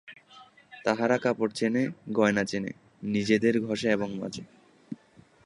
তাহারা কাপড় চেনে, গয়না চেনে, নিজেদের ঘষে এবং মাজে।